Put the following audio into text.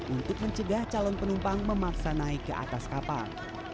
untuk mencegah calon penumpang memaksa naik ke atas kapal